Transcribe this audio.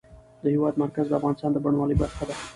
د هېواد مرکز د افغانستان د بڼوالۍ برخه ده.